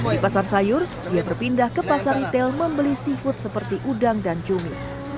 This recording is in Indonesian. di pasar sayur dia berpindah ke pasar retail membeli seafood seperti udang dan cumi